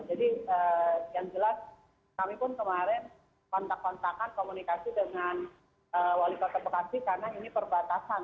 jadi yang jelas kami pun kemarin kontak kontakan komunikasi dengan wali kota bekasi karena ini perbatasan